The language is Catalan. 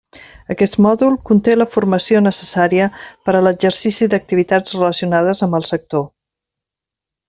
Aquest mòdul conté la formació necessària per a l'exercici d'activitats relacionades amb el sector.